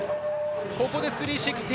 ここで３６０。